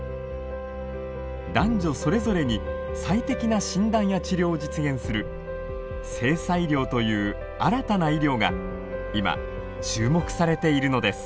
男女それぞれに最適な診断や治療を実現する性差医療という新たな医療が今注目されているのです。